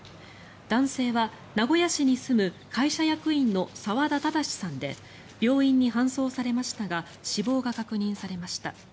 男性は名古屋市に住む会社役員の澤田正さんで病院に搬送されましたが死亡が確認されました。